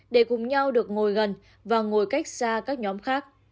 để cùng nhau được ngồi gần và ngồi cách xa các nhóm khác